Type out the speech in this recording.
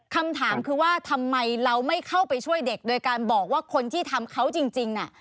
คำถามคือว่าทำไมเราไม่เข้าไปช่วยเด็กโดยการบอกว่าคนที่ทำเขาจริงน่ะ